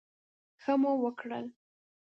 ښه مو وکړل.